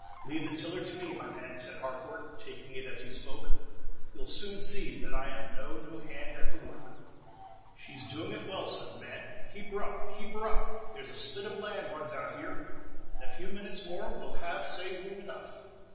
"Leave the tiller to me, my man," said Harcourt, taking it as he spoke. "You 'll soon see that I 'm no new hand at the work." "She's doing it well," said the man. "Keep her up! keep her up! there's a spit of land runs out here; in a few minutes more we'll have say room enough."